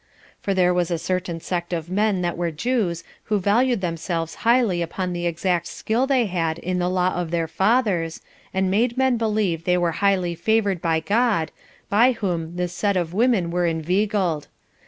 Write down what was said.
For there was a certain sect of men that were Jews, who valued themselves highly upon the exact skill they had in the law of their fathers, and made men believe they were highly favored by God, by whom this set of women were inveigled.